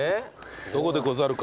どこでござるか？